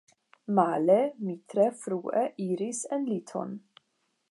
Male, mi tre frue iris en liton.